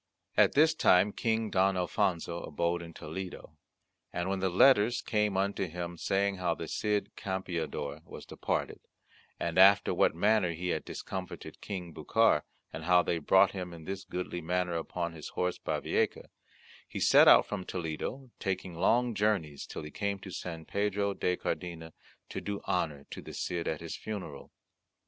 At this time King Don Alfonso abode in Toledo, and when the letters came unto him saying how the Cid Campeador was departed, and after what manner he had discomfited King Bucar, and how they brought him in this goodly manner upon his horse Bavieca, he set out from Toledo, taking long journeys till he came to San Pedro de Cardena to do honour to the Cid at his funeral.